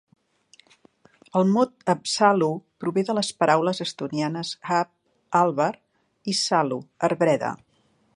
El mot "Haapsalu" prové de les paraules estonianes "haab" (àlber) i "salu" (arbreda).